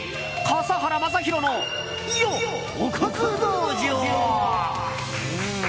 笠原将弘のおかず道場。